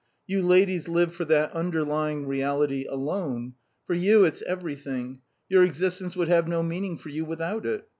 You ladies live for that underlying reality alone: for you it's everything; your existence would have no meaning for you without it.